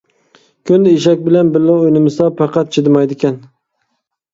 كۈندە ئېشەك بىلەن بىللە ئوينىمىسا پەقەت چىدىمايدىكەن.